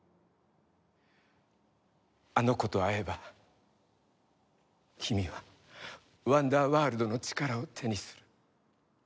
あの子と会えば君はワンダーワールドの力を手にする。